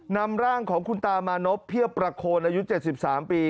นำร่างของคุณตามานบเพี้ยประโคนอายุเจ็ดสิบสามปี